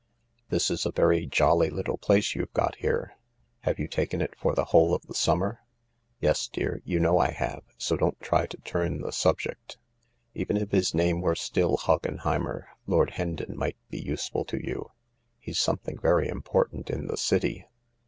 This is a very jolly little place you've got here. Have you taken it for the whole of the summer ?"" Yes, dear, you know I have, so don't try to turn the subject. Even if his name were still Hoggenheimer, Lord Hendon might be useful to you. He's something very im portant in the city."